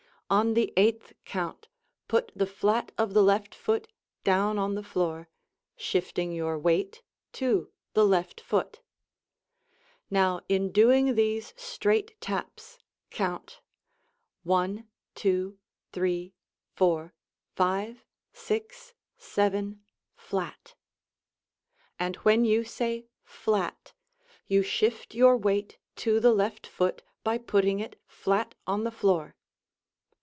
On the eighth count put the flat of the left foot down on the floor, shifting your weight to the left foot. Now in doing these straight taps count: 1, 2, 3, 4, 5, 6, 7, flat. And when you say "flat" you shift your weight to the left foot by putting it flat on the floor.